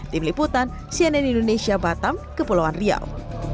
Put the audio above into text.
tim liputan cnn indonesia batam kepulauan riau